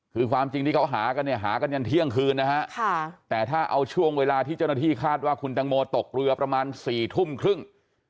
คือความจริงที่เขาหากันเนี่ยหากันยันเที่ยงคืนนะฮะแต่ถ้าเอาช่วงเวลาที่เจ้าหน้าที่คาดว่าคุณตังโมตกเรือประมาณ๔ทุ่มครึ่ง